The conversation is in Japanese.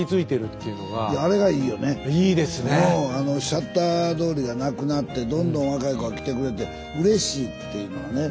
シャッター通りがなくなってどんどん若い子が来てくれてうれしいっていうのがね。